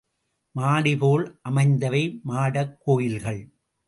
மாடிபோல் அமைந்தவை மாடக் கோயில்கள்.